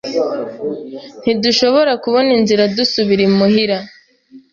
Ntidushobora kubona inzira dusubira imuhira.